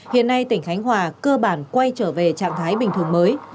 hiện nay tỉnh khánh hòa cơ bản quay trở về trạng thái bình thường mới